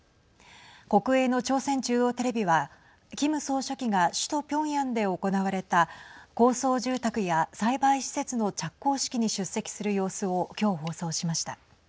国営の朝鮮中央テレビはキム総書記が首都ピョンヤンで行われた高層住宅や栽培施設の着工式に出席する様子を今日放送しました。